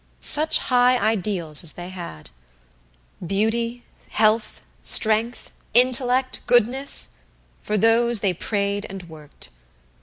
Such high ideals as they had! Beauty, Health, Strength, Intellect, Goodness for those they prayed and worked.